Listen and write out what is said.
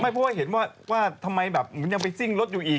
ไม่เพราะว่าเห็นว่าว่าทำไมแบบยังไปซิ่งรถอยู่อีก